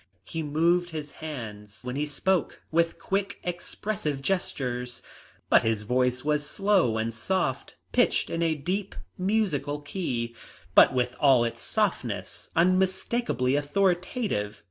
He moved his hands when he spoke with quick, expressive gestures, but his voice was slow and soft, pitched in a deep musical key, but with all its softness unmistakably authoritative.